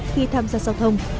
khi tham gia giao thông